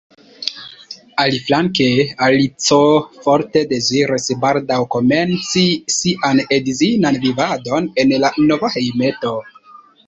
Aliflanke Alico forte deziris baldaŭ komenci sian edzinan vivadon en la nova hejmeto.